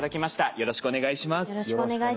よろしくお願いします。